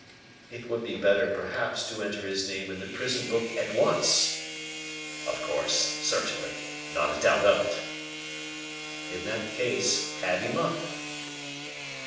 "It would be better, perhaps, to enter his name in the prison book at once!" "Of course, certainly; not a doubt of it." "In that case, have him up."